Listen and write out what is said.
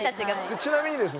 ちなみにですね